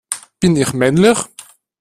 Bin ich männlich?